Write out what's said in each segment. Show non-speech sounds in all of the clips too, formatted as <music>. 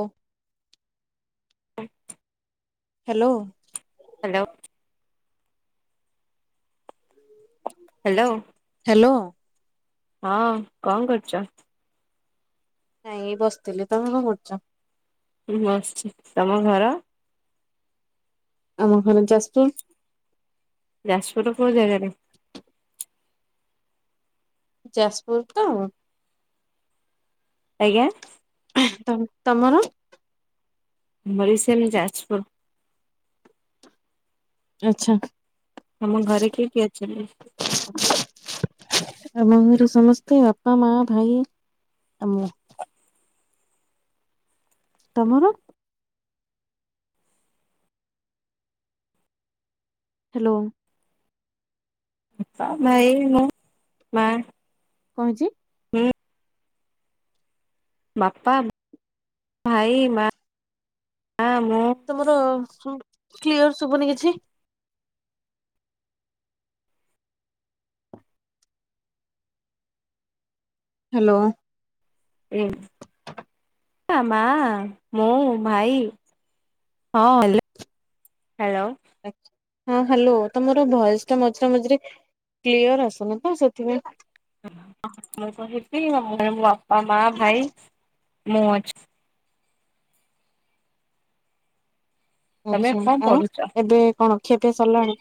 ଓ। ପା hello hello hello hello ହଁ କଣ କରୁଛ? ନାଇଁ ବସିଥିଲି ତମେ କଣ କରୁଛ? ମୁ ବସଛି। ତମ ଘର? ଆମ ଘର ଯାଜପୁର। ଯାଜପୁରର କଉ ଜାଗାରେ? ଯାଜପୁର ତ <inaudible> ଆଜ୍ଞା। ତମର? ଭୁରିଷମ ଯାଜପୁର। <inaudible> ଆଚ୍ଛା। ତମ ଘରେ କିଏ କି ଅଛନ୍ତି? <inaudible> ଆମ ଘରେ ସମସ୍ତେ ବାପା, ମା, ଭାଇ, ଆମ ତମର? ହ୍ୟାଲୋ ଏଇ ମୁ ମା କଣ ହେଇଚି? ହୁଁ। ବାପା, ଭାଇ, ମା। ମୁଁ ତମର ଶ କ୍ଲିଅର ଶୁଭୁନି କିଛି ହ୍ୟାଲୋ ପା ମା ମୁଁ ଭାଇ ହଁ ହଲୋ ହ୍ୟାଲୋ ହଁ ହ୍ୟାଲୋ ତମର ଭଏସ ଟା ମଝିରେ ମଝିରେ କ୍ଲିୟର ଆସୁନି ତ ସେଥିପାଇଁ। ମୁଁ କହିଲି ଆମ ଘରେ ମୋ ବାପା ମା ଭାଇ ମୁଁ ଅ ତମେ ଆଛା କଣ ଆଉ ପଢୁଛ? ଏବେ କଣ? ଖିଆପିଆ ସରିଲାଣି?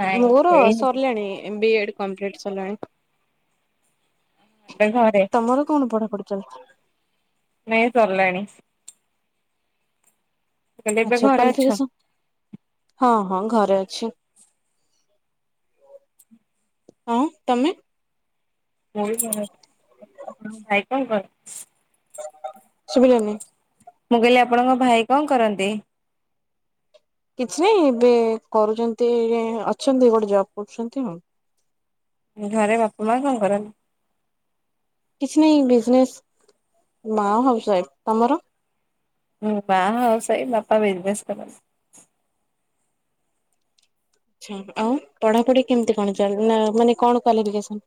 ନାଇଁ ମୋର ଏଇ ଏବେ ସରିଲାଣି ବି ଏଡ କମ୍ପ୍ଲୀଟ୍ ସରିଲାଣି? <inaudible> ଘରେ <inaudible> ତମର କଣ ପଢାପଢି? <inaudible> ନାଇ ସରିଲାଣି କହିଲି ଏବେ ଘରେ ଅଛ <unintelligible> ହଁ। ହଁ ଘରେ ଅଛି। <inaudible> ହଁ ତମେ? ମୁଁ ବି ଘରେ ଆପଣ ଭାଇ କଣ କ ସୁବିଲାନି? ମୁଁ କହିଲି ଆପଣଙ୍କ ଭାଇ କଣ କରନ୍ତି? କିଛି ନାଇଁ ଏବେ କରୁଚନ୍ତି ଅଛନ୍ତି ଗୋଟେ ଜବ କରୁଛନ୍ତି ଆଉ। ଘରେ ବାପା ମା କଣ କରନ୍ତି? କିଛି ନାଇଁ ବିଜନେସ୍ ମା ହାଉସ ୱାଇଫ ତମର? ହୁଁ ମା ହାଉସ ୱାଇଫ ବାପା ବିଜନେସ୍ କରନ୍ତ। ଆଛ ଆଉ ପଢାପଢି କେମତି କଣ ମାନେ କଣ କ୍ବଳିଫ କେସନ୍?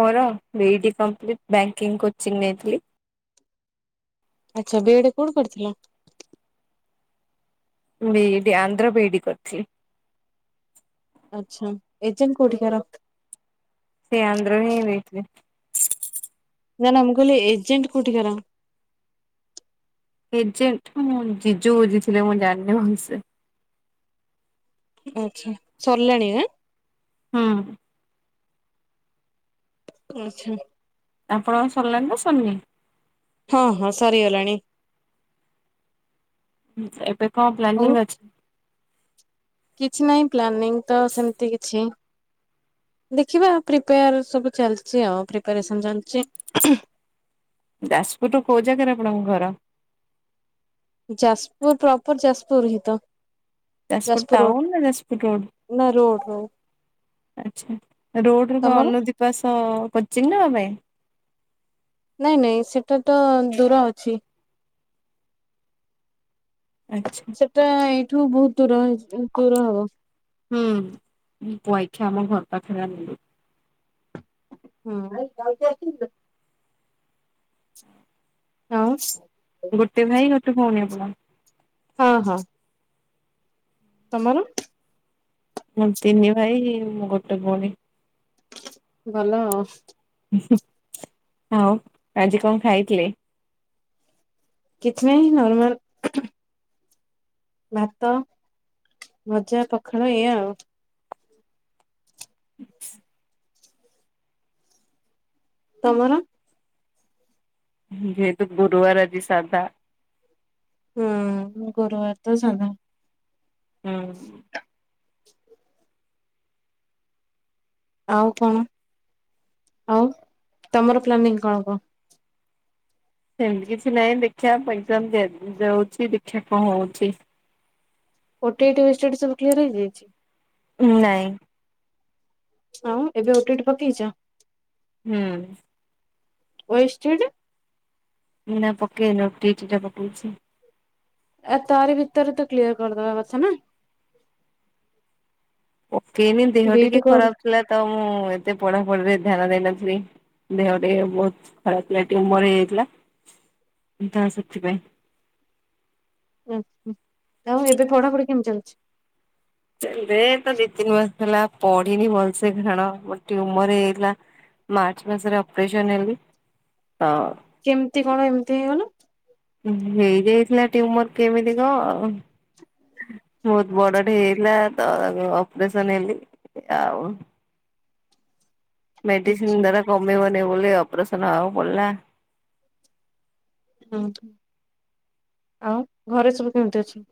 ମୋର BE D complete banking coaching ନେଇଥିଲି। ଆଚ୍ଛା ବି ଇଡି କୋଉଠି ପଡ଼ିଥିଲେ? ମୁଁ B Ed Andhra B Ed କରିଥିଲି। ଆଚ୍ଛା ଏଜେଣ୍ଟ କୋଉଠି କର। ସେ ଆନ୍ଦ୍ର ରେ ହିଁ ଦେଇଥିଲେ। <inaudible> ନା ନା ମୁଁ କହିଲୀ ଏଜେଣ୍ଟ କୋଉଠିକାର। ଏଜେଣ୍ଟ ମୁଁ ଜିଜୁ ବୁଝି ଥିଲେ ମୁଁ ଜାଣିନି ଭଲସେ। ଆଛା ସରିଲାଣିଁ ଆଁ। ହୁଁ। ଆଚ୍ଛା। ଆପଣଙ୍କର ସାରିଲାଣି ନା ସରିନି। ହଁ ହଁ ସରିଗଲାଣି। ଏବେ କଣ ଆଉ ପ୍ଲାନିଂ ଅଛି? କିଛି ନାହି ପ୍ଲାନିଙ୍ଗ ତ ସେମିତି କିଛି ଦେଖିବା ପ୍ରିପ୍ରେୟାର ସବୁ ଚାଲିଛି ଆଉ ପ୍ରିପ୍ରେୟାରେସନ୍ ଚାଲିଚି ଉଁହୁଁ। ଯାଜପୁର ର କୋଉ ଜାଗାରେ ଆପଣଙ୍କ ଘର? ଯାଜପୁର ପ୍ରପର ଯାଜପୁର ହିଁ ତ। ଯାଜପୁର ଟାଉନ ନା ଯାଜପୁର ନା ରୋଡ ରୋଡ ଆଚ୍ଛା ରୋଡ ର ତମର? ଅନ ଦିବାସ କୋଚିଂ ନାବା ପାଇଁ? ନାଇଁ ନାଇଁ ସେଟା ତ ଦୂର ଅଛି। ଆଚ୍ଛା। ସେଟା ଏଇ ଏଠୁ ବହୁତ ଦୂର ହେଇ ଦୂର ହବ। ହୁଁ ପାଇ ଖା ଆମର ଘର ପାଖୋ ନିଲୁ ହୁଁ। ଆଉ। ଗୋଟେ ଭାଇ ଗୋଟେ ଭଉଣୀ। ହ୍ୟାଲୋ। ହଁ ହଁ। ତମର? ମୁଁ ତିନି ଭାଇ ମୁଁ ଗୋଟେ ଭଉଣୀ। ଭଲ ଆଉ। ଉଁ ଆଉ ଆଜି କଣ ଖାଇଥିଲେ? କିଛି ନାହିଁ ନର୍ମାଲ ଉଁହୁଁ। ଭାତ ଭଜା ପଖାଳ ଏଇଆ ଆଉ। <unintelligible> ତମର? ଯେ ତୁ ଗୁରୁବାର ଆଜି ସାଧା। ହୁଁ ଗୁରୁବାର ତ ସାଧା। ହୁଁ। ଆଉ କଣ ଆଉ ତମର ପ୍ଲାନିଂ କଣ କୁହ? ସେମିତି କିଛି ନହିଁ ଦେଖିଆ <unintelligible> ପାଇଁ ଦଉଛି ଦେଖିବାକୁ ହଉଛି। ଓଟି ଡି ସବୁ କଲେଵାର ହେଇଯାଇଛି? ନାଇଁ। ହଉ ଏବେ ଓଟିଟି ପକେଇଛ? ହୁଁ। ୱେଷ୍ଟଏଡ଼େ ନା ପକେଇନି ଓଟିଟି ପକେଇଛି। ଏ ତାରି ଭିତରେ ତ କ୍ଲିୟର କରିଦବା କଥା ନା। ପକେଇନି ଦେହ ଟିକେ ବିଇଡି ଖରାପ ଥିଲା ତ ମୁଁ ଏତେ ପଢା ରେ ଧ୍ୟାନ ଦେଇନଥିଲି ଦେହ ଟିକେ ବହୁତ ଖରାପ ଥିଲା ଟିଉମର ହେଇଯାଇଥିଲା ତା ସେଥିପାଇଁ। ଉଁ ହୁଁ ଆଉ ଏବେ ପଢାପଢି କେମିତି ଚାଲିୁଛି? <unintelligible> ବେ ତ ଦି ତିନି ମାସ ହେଲା। ପଢିନି ଭଲସେ କଣ ମ ଟୁମର ହେଇଲା ମାର୍ଚ୍ଚ ମାସରେ ଅପରେସନ ହେଲି ହଁ। କେମିତି କଣ ଏମିତି ହେଇଗଲ? ହେଇଯାଇଥିଲା ଟ୍ୟୁମର କେମିତିକ ବହୁତ ବଡଟେ ହେଇଥିଲା ତ ଆଗ ଅପରେସନ ହେଲି ଆଉ, ମେଡିସିନ୍ ଆଚ୍ଛା ଦ୍ୱରା କମେଇବ ନି ବୋଲି ଅପରେସନ ଆଉ ପଡ଼ିଲା, ହ, ଆଉ ଘରେ ସବୁ କେମିତି ଅଛି?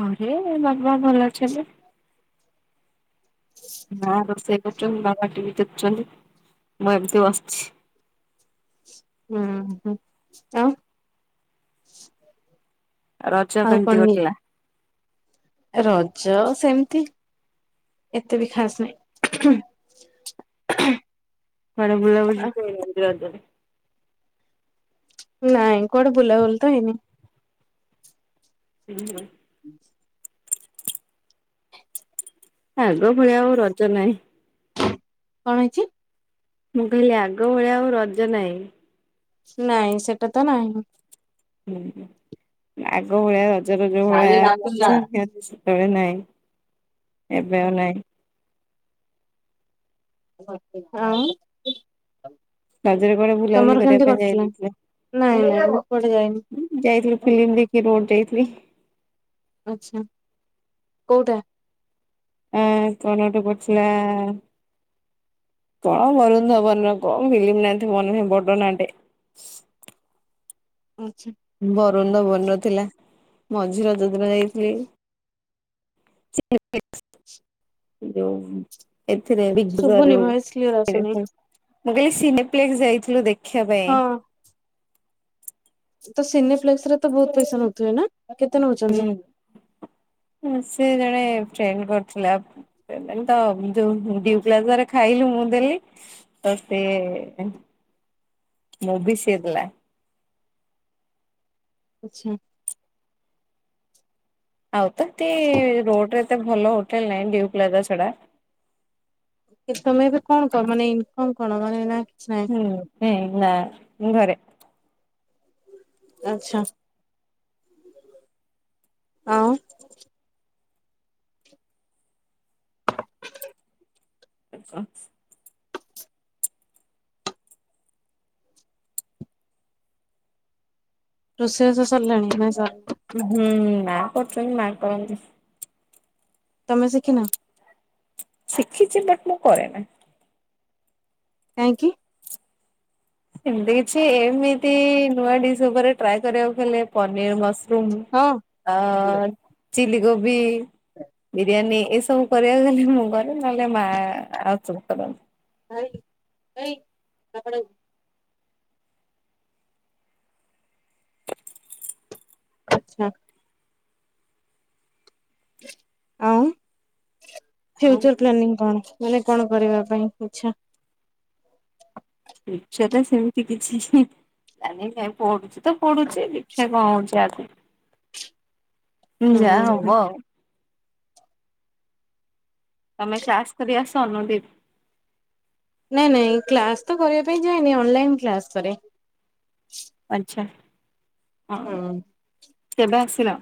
ଘରେ ବାପା, ମା ଭଲ ଅଛନ୍ତି ନାଁ ବର୍ଷେକ <inaudible> ବାପା ଟିଭି ଦେଖୁଛନ୍ତି ମୁଁ ଏମିତି ବସିଛି। ହୁଁ ହଁ ଆଉ? ରଜ ଆଉ କଣ କେମିତି ନି କଟିଲା? ରଜ ସେମିତି ଏତେ ବି ଖାସ ନାହିଁ, କୁଆଡେ ବୁଲିବାକୁ ଯିବେ <unintelligible> ନାଇଁ କଆଡେ ବୁଲାବୁଲି ତ ହେଇନି। ହୁଁ, <unintelligible> ଆଗ ଭଳିଆ ଆଉ ରଜ ନାହିଁ। କଣ ହେଇଛି? ମୁଁ କହିଲି ଆଗ ଭଳିଆ ଆଉ ରଜ ନାହିଁ। ନାଇଁ ସେଟା ତ ନାହିଁ, ହୁଁ ଆଗ ଭଳିଆ ର ରଜରେ ଯୋଉ ଭଳିଆ ଆଉ <unintelligible> ନାହିଁ। ହ- ଏବେ ଆଉ ନାଇଁ, କଣ ପିଠା ଆଉ? ରଜରେ କୁଆଡେ ବୁଲାବୁଲି ତମର କରିବା କେମିତି ପାଇଁ କଟିଲା? ଯାଇନଥିଲେ ନାଇଁ ନାଇଁ ମୁଁ କୁଆଡେ ଯାଇନି। ଯାଇଥିଲୁ ଫିଲ୍ମ ଦେଖି <unintelligible> <inaudible> ଆଚ୍ଛା, କୋଉଟା? ଆଁ କଣ ଗୋଟେ ପଡିଥିଲା କଣ ବରୁନ୍ଧବନ କଣ ଫ୍ଲିମ ନା ଟେ ମନ ନାହି ବଡ଼ ନାଟେ। ଆଚ୍ଛା, ବରୁଣ ଧବନର ଥିଲା ମଝିରେ ଯୋଉଁ ଦିନ ଯାଇଥିଲି <inaudible> ଏଥିରେ ବିଗ ଶୁଭୁନି ଭଏସ୍ କ୍ଲିୟର ଆସୁନି। <inaudible> ବି ସିନେପ୍ଲେକ୍ସ ଯାଇଥିଲୁ ଦେ ଦେଖିବା ପାଇଁ। ହଁ ତ ସିନିଫ୍ଲେକ୍ସ ରେ ତ ବହୁତ ପଇସା ନଉଥିବେ ନା? କେତେ ନଉଛନ୍ତି? ହୁଁ। ଚେନ କରିଥିଲା ପେମେଣ୍ଟ, ଯୋଉ ହିନ୍ଦୀ ପ୍ଲାଜାରେ ଖାଇଲୁ ମୁଁ ଦେଲି ତ ସେ ମୁଭି ସିଏ ଦେଲା। ଆଚ୍ଛା ଆଉ ତତେ ରୋଡ <inaudible> ଏତେ ଭଲ ହୋଟେଲ ନାହି, ନିଉ ପ୍ଲାଜା ସେଟା। ତମେ ଏବେ କଣ କ ମାନେ ଇନକମ କଣ ମାନେ ନା କିଛି ନାହିଁ ହୁଁ ହଁ ନା ଘରେ। ଆଚ୍ଛା। ହ। ଆଚ୍ଛା। ରୁଷେଇ ବାଷ ସରିଲାଣି। ହୁଁ ମା କରୁଛନ୍ତି ମା କରନ୍ତିି ତମେ ଶିଖିନ। ଶିଖିଛି ବଟ ମୁଁ କରେ ନା। କାହିଁ କି? ଏମତି କିଛି ଏମିତି ନୂଆ ଡିସ୍ ଉପରେ ଟ୍ରାଏ କରିବାକୁ ହେଲେ ପନିର ମସ ମ୍ ହଁ ଆ ଚିଲି କୋବି ବିରିୟାନୀ ଏସବୁ କରିବାକୁ ଗଲେ ମୁଁ କରେ ନହେଲେ ମା ଆଉ ସବୁ କରନ୍ତି। ଭାଇ ଭାଇ ବାପା ଡାକୁଛନ୍ତି। ଆଛା। ଆ ଆଉ ଫ୍ୟୁଚର ପ୍ଲାନିଂ କଣ? ମାନେ କଣ କରିବା ପାଇଁ ଇଛା। <unintelligible> ସେମତି କିଛି ଜ ନାଇଁ ପଢୁଛି ତ ପଢୁଛି ଦେଖିବା କଣ ହଉଛି ଆଗକୁ। ହଙ୍ଗ ହୁଁ ଯାହା ହୁଁ ହବ ଆଉ। ତମେ କ୍ଲାସ କରି ଆସ ଅନୁଦିପ। <inaudible> ନାଇଁ ନାଇଁ କ୍ଲାସ ତ କରିବା ପାଇଁ ଯାଏନି ଅନଲାଇନ କ୍ଲାସ କରେ। ଆଚ୍ଛା। ହଁ। କେବେ ଆସିଲ?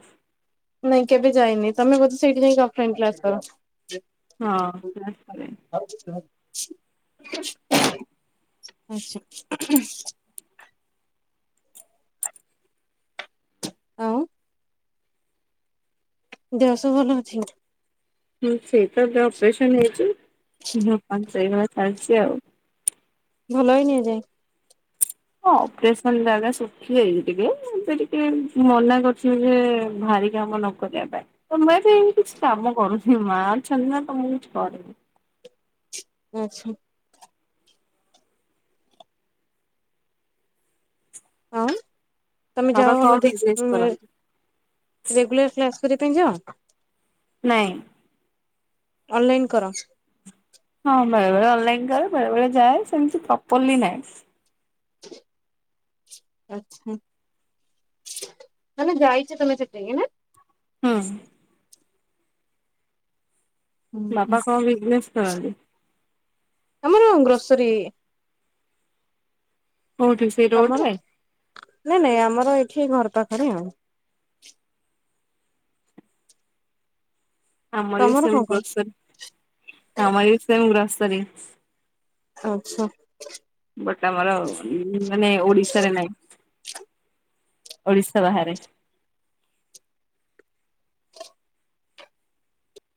ନାଇଁ କେବେ ଯାଇନି ତମେ ବୋଧେ ସେଇଠି ଯାଇକି ଅଫଲାଇନ କ୍ଲାସ କର। ହଁ କ୍ଲାସ୍ କରେ। <inaudible> ଆଉ ଦେହସବୁ ଭଲ ଅଛି? ହୁଁ ସେଇ ତ ଏବେ ଅପରେସନ ହେଇଛି। <unintelligible> ସେଇ ଭଳିଆ ଚାଲିଛି ଆଉ। ଭଲ ହିଁ ନିଆଯାଏ। ହଁ ଅପରେସନ ଜାଗା ଶୁଖିଯାଇଛି ଟିକେ ଏବେ ଟିକେ ମନା କରୁଛନ୍ତି ଯେ ଭାରି କାମ ନ କରିବା ପାଇଁ ତ ମୁଁ ବି କିଛି କାମ କରୁଥିଲି ମା ଅଛନ୍ତି ନା ତ ମୁଁ କିଛି କରେନି। ଆଚ୍ଛା। ହଁ। ତମେ ବାବା ଯାଅ କଣ ବିଜନେସ୍ କରନ୍ତି? <unintelligible> Regular class? କରିବା ପାଇଁ ଯାଅ? ନାଇଁ। ଅନଲାଇନ କର। ହଁ ବେଳେ ବେଳେ ଅନଲାଇନ କରେ ବେଳେ ବେଳେ ଯାଏ ସେମତି ପ୍ରପରଲି ନାହିଁ। ଆଚ୍ଛା ମାନେ ଯାଇଛ ତମେ ସେଠିକି ନା। ହୁଁ। ହୁଁ ହୁଁ ବାପା କଣ ବିଜନେସ କରନ୍ତି? ଆମର ଗ୍ରୋସରୀ। କୋଉଠି ସେଇ ରୋଡରେ। ହଁ ଏଠି ଘର ପାଖରେ ଆଉ। ଆମର ବି ତମର ସେମ କଣ କଣ ଗ୍ରୋସରି ଆମର ବି ସେମ ଗ୍ରୋସ ସରି। ଆଚ୍ଛା। ଆମର ମାନେ ଓଡିଶାରେ ନାହିଁ ଓଡିଶା ବାହାରେ।